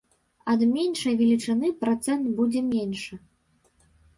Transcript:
Ад меншай велічыні працэнт будзе меншы.